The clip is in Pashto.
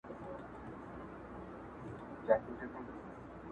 نه درک مي د مالونو نه دوکان سته!!